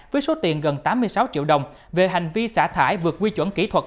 với số tiền gần tám mươi sáu triệu đồng về hành vi xả thải vượt quy chuẩn kỹ thuật